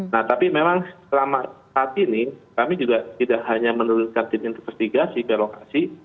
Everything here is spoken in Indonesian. nah tapi memang selama saat ini kami juga tidak hanya menelusurkan tim investigasi perlokasi